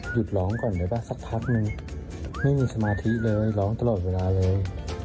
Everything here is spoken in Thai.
หยุดร้องก่อนได้ป่ะสักพักนึงไม่มีสมาธิเลยร้องตลอดเวลาเลย